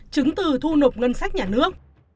chứng từ thu nộp ngân sách nhà nước